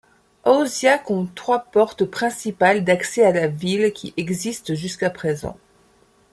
Auzia compte trois portes principales d'accès à la ville qui existent jusqu’à présent.